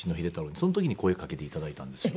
その時に声かけて頂いたんですよ。